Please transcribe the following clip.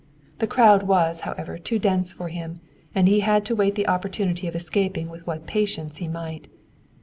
The crowd was, however, too dense for him, and he had to wait the opportunity of escaping with what patience he might.